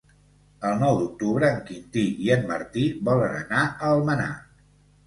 El nou d'octubre en Quintí i en Martí volen anar a Almenar.